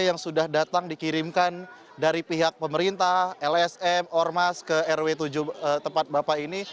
yang sudah datang dikirimkan dari pihak pemerintah lsm ormas ke rw tujuh tempat bapak ini